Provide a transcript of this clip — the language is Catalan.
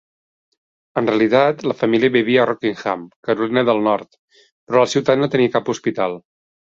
En realitat la família vivia a Rockingham, Carolina del Nord, però la ciutat no tenia cap hospital.